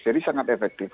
jadi sangat efektif